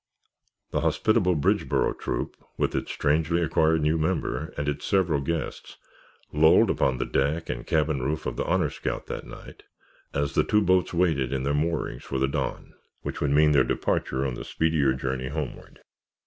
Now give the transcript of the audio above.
The hospitable Bridgeboro Troop, with its strangely acquired new member and its several guests, lolled upon the deck and cabin roof of the Honor Scout that night, as the two boats waited at their moorings for the dawn which would mean their departure on the speedier journey homeward.